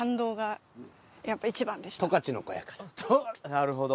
なるほど。